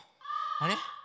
あれ？